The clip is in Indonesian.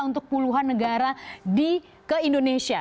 untuk puluhan negara ke indonesia